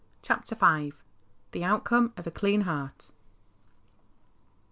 CHAPTER V. The Outcome of a Clean Heart.